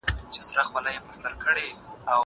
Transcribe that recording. هغه وويل چي سندري ښکلې ده!!